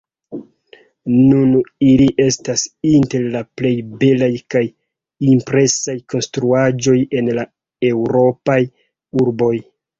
Nun ili estas inter la plej belaj kaj impresaj konstruaĵoj en la Eŭropaj urboj.